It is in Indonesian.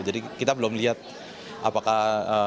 jadi kita belum lihat apakah